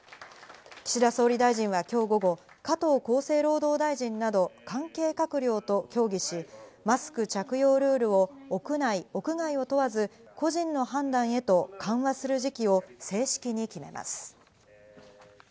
岸田総理大臣は今日午後、加藤厚生労働大臣など関係閣僚と協議し、マスク着用ルールを屋内・屋外を問わず個人の判断へと緩和する時期を正式に決めます。